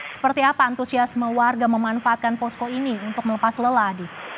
seperti apa antusiasme warga memanfaatkan posko ini untuk melepas lelah